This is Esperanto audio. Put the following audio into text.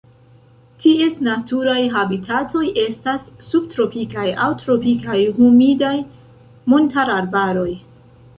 Ties naturaj habitatoj estas subtropikaj aŭ tropikaj humidaj montararbaroj.